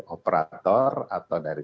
operator atau dari